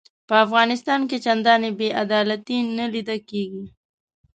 په افغانستان کې چنداني بې عدالتي نه لیده کیږي.